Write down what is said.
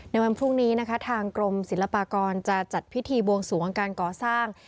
ในวันพรุ่งนี้นะคะทางกรมศิลปากรจะจัดพิธีบวงสวงการก่อสร้าง